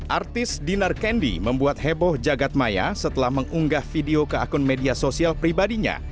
artis dinar kendi membuat heboh jagadmaya setelah mengunggah video ke akun media sosial pribadinya